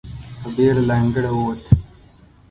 په بېړه له انګړه ووت.